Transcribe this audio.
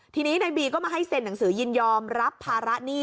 ทีนี้ในบีก็มาให้เซ็นหนังสือยินยอมรับภาระหนี้